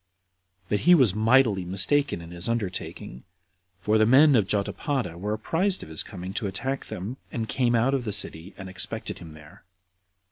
But he was mightily mistaken in his undertaking; for the men of Jotapata were apprized of his coming to attack them, and came out of the city, and expected him there.